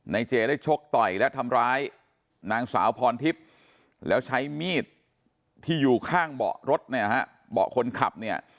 นายเจได้ชกต่อยและทำร้ายนางสาวพรทิพย์แล้วใช้มีดที่อยู่ข้างเบาะรถเบาะคนขับ